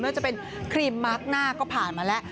ว่าจะเป็นครีมมาร์คหน้าก็ผ่านมาแล้ว